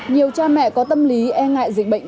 nhiều cha mẹ có tâm lý e ngại dịch bệnh